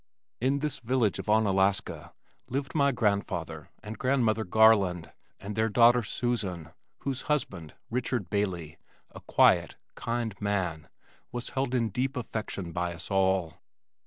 In this village of Onalaska, lived my grandfather and grandmother Garland, and their daughter Susan, whose husband, Richard Bailey, a quiet, kind man, was held in deep affection by us all.